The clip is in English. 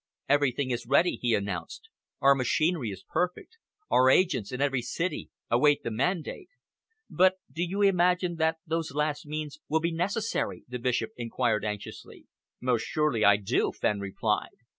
"Everything is ready," he announced. "Our machinery is perfect. Our agents in every city await the mandate." "But do you imagine that those last means will be necessary?" the Bishop enquired anxiously. "Most surely I do," Fenn replied.